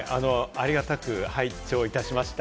ありがたく拝聴いたしました。